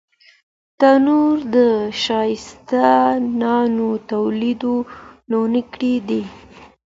تنور د ښایسته نانو تولیدوونکی دی